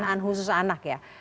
pembinaan khusus anak ya